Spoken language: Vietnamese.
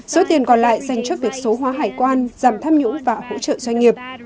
số tiền còn lại dành cho việc số hóa hải quan giảm tham nhũng và hỗ trợ doanh nghiệp